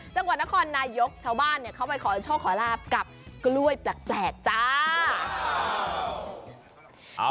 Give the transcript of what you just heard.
จังหวัดนครนายกชาวบ้านเขาไปขอโชคขอลาบกับกล้วยแปลกจ้า